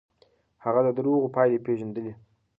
هغه د دروغو پايلې پېژندلې.